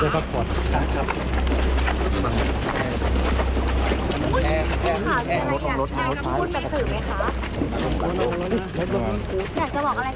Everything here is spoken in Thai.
ขอร้องนะครับว่าคุณจะพูดกับสื่อไหมครับ